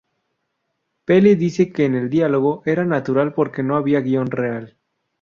Peli dice que el diálogo era "natural" porque no había guión real.